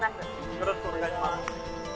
「よろしくお願いします」